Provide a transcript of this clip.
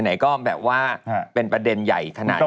ไหนก็แบบว่าเป็นประเด็นใหญ่ขนาดนี้